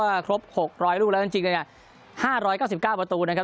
ว่าครบ๖๐๐ลูกแล้วจริง๕๙๙ประตูนะครับ